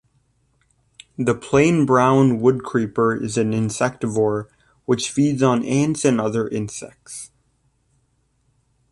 The plain-brown woodcreeper is an insectivore which feeds on ants and other insects.